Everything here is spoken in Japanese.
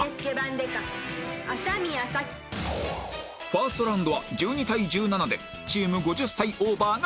ファーストラウンドは１２対１７でチーム５０歳オーバーが勝利